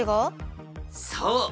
そう。